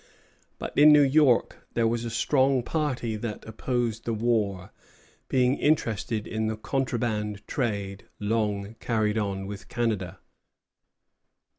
But in New York there was a strong party that opposed the war, being interested in the contraband trade long carried on with Canada.